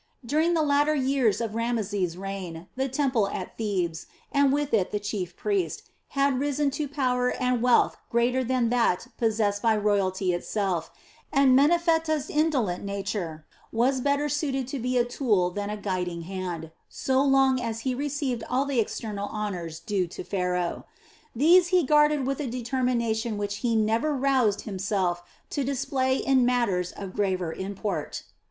During the latter years of Rameses' reign, the temple at Thebes, and with it the chief priest, had risen to power and wealth greater than that possessed by royalty itself, and Menephtah's indolent nature was better suited to be a tool than a guiding hand, so long as he received all the external honors due to Pharaoh. These he guarded with a determination which he never roused himself to display in matters of graver import.